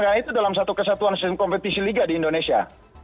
karena itu dalam satu kesatuan sistem kompetisi liga di indonesia